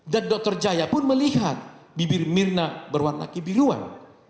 dan doktor jaya pun melihat bibir mirna berwarna kibiruan